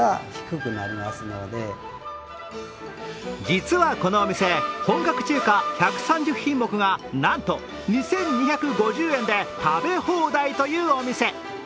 実はこのお店、本格中華１３０品目がなんと２２５０円で食べ放題というお店。